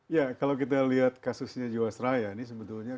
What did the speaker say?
ya kalau kita lihat kasusnya jiwa seraya ini sebetulnya